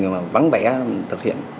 mà bắn vẽ thực hiện